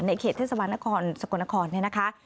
ในเขตเทศสวรรค์นครสกลนครนะคะ